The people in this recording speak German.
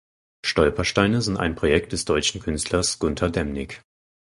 Stolpersteine sind ein Projekt des deutschen Künstlers Gunter Demnig.